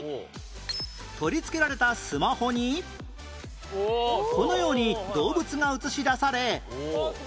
取り付けられたスマホにこのように動物が映し出され